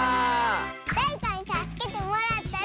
「だれかにたすけてもらったら」